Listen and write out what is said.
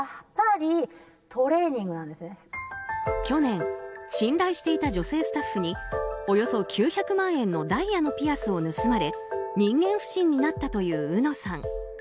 去年信頼していた女性スタッフにおよそ９００万円のダイヤのピアスを盗まれ人間不信になったといううのさん。